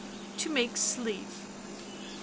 To Make Sleeve 1.